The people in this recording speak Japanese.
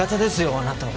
あなたは。